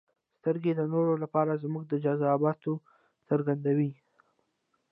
• سترګې د نورو لپاره زموږ د جذباتو څرګندوي.